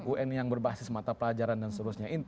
un yang berbasis mata pelajaran dan seterusnya